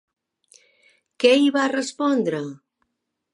Què hi va respondre?